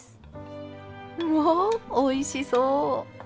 わあおいしそう！